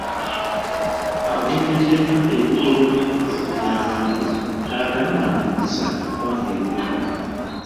Avumiridde nnyo ebikolwa by'okutulungunya abantu n'agamba nti bizza eggwanga emabega.